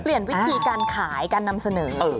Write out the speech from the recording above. เปลี่ยนวิธีการขายการนำเสนอ